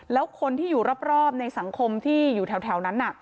แล้วคนที่อยู่รอบในสังคมที่อยู่แถวนั้น